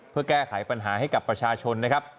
เพื่อแก้ไขปัญหาให้กับประชาชนนะครับ